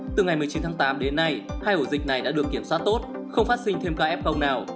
từ ngày một mươi chín tháng tám đến nay hai ổ dịch này đã được kiểm soát tốt không phát sinh thêm ca f nào